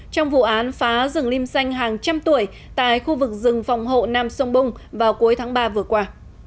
trong vụ án phá rừng lim xanh hàng trăm tuổi tại khu vực rừng phòng hộ nam sông bung vào cuối tháng ba vừa qua